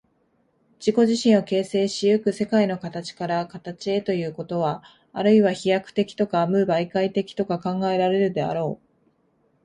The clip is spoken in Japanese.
自己自身を形成し行く世界の形から形へということは、あるいは飛躍的とか無媒介的とか考えられるであろう。